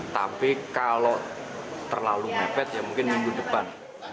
tapi kalau terlalu mepet ya mungkin minggu depan